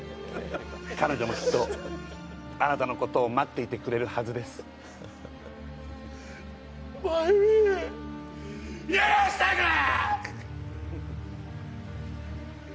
彼女もきっとあなたのことを待っていてくれるはずですマユミ許してくれ！